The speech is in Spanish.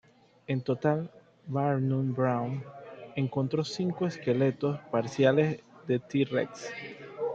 En total, Barnum Brown encontró cinco esqueletos parciales de "T.rex".